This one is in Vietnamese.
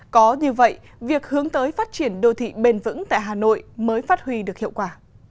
có như vậy việc hướng tới phát triển đô thị bền vững tại hà nội mới phát huy được hiệu quả